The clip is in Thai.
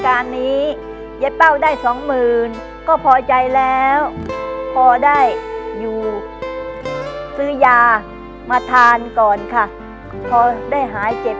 บัดนี้ดูเงียบเผาสาวนอนหน้ากอดหมอน